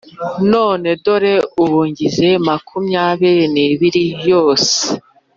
none dore ubu ngize makumyabiri nibiri yose,